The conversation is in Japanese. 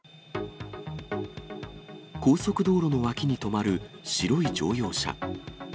高速道路の脇に止まる白い乗用車。